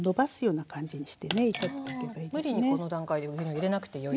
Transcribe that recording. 無理にこの段階で牛乳入れなくてよいと。